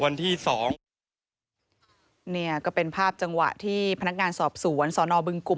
เนี่ยก็เป็นภาพจังหวะที่พนักงานสอบศูนย์สอนอบึงกลุ่ม